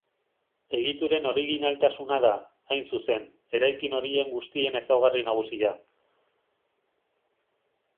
Egituren originaltasuna da, hain zuzen, eraikin horien guztien ezaugarri nagusia.